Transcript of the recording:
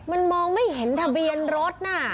มันมองไม่เห็นทะเบียนรถน่ะ